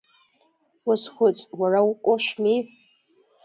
Уазхәыц, уара уҟәышми?